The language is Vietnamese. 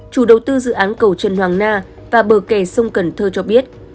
chủ đầu tư dự án cầu trần hoàng na và bờ kè sông cần thơ cho biết